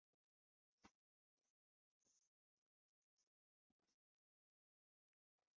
东马尾帽胡同是位于中国北京市东城区南部的一条胡同。